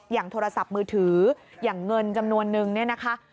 โทรศัพท์มือถืออย่างเงินจำนวนนึงเนี่ยนะคะ